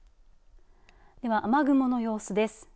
では、雨雲の様子です。